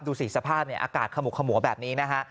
สภาพเนี่ยอากาศขมุกขมัวแบบนี้นะฮะ